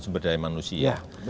sumber daya manusia